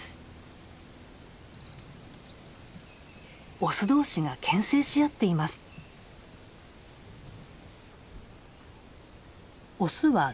オス同士が牽制し合っています。